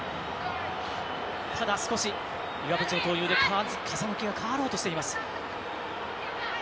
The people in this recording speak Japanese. ただ少し岩渕の投入で風向きが変わろうとしています。